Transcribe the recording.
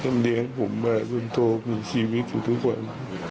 ทำดีกับผมคุณโทษคุณชีวิตแทบทุกวัน